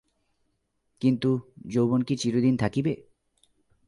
কিন্তু, যৌবন কি চিরদিন থাকিবে?